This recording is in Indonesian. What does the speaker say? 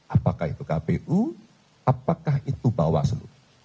apakah itu kpu apakah itu bawaslu